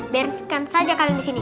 bersihkan saja kalian di sini ya